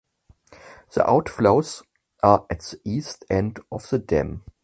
The outflows are at the east end of the dam.